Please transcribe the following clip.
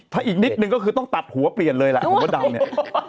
ถ้าอีกนิดนึงก็คือต้องตัดหัวเปลี่ยนเลยแหละคุณพระดำเนี่ย